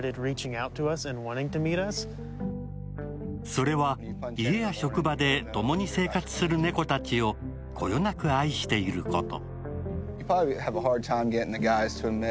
それは、家や職場でともに生活する猫たちをこよなく愛していること。